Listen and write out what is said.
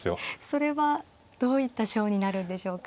それはどういったショーになるんでしょうか。